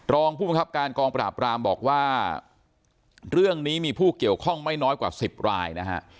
รองผู้บังคับการกองปราบรามบอกว่าเรื่องนี้มีผู้เกี่ยวข้องไม่น้อยกว่า๑๐รายนะฮะ